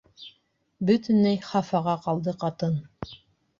Бөтөнләй хафаға ҡалды ҡатын.